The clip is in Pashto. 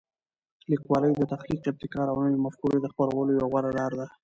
لیکوالی د تخلیق، ابتکار او نوي مفکورې د خپرولو یوه غوره لاره ده.